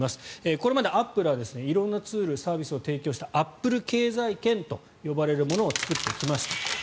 これまでアップルは色んなツールサービスを提供してアップル経済圏と呼ばれるものを作ってきました。